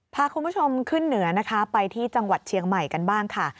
พาคุณผู้ชมขึ้นเหนือนะคะไปที่จังหวัดเชียงใหม่กันบ้างค่ะ